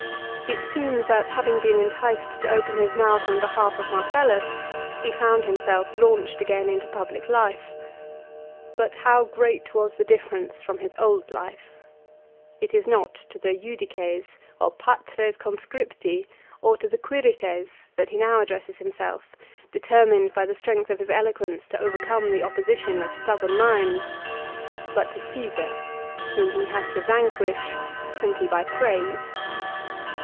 It seems, that having been enticed to open 182 LIFE OF CICERO. his mouth on behalf of Marcellus, he found himself launched again into public life. But how great was the difference from his old life ! It is not to the " Judices " or " Patres Couscripti," or to the " Quirites " that he now addresses himself, determined by the strength of his eloquence to overcome the opposition of stubborn minds, but to Caesar, whom he has to vanquish simply by praise.